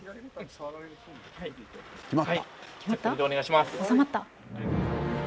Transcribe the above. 収まった？